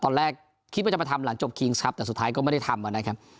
ตอนแรกคิดว่าจะมาทำหลังจบคิงส์ครับแต่สุดท้ายก็ไม่ได้ทำนะครับ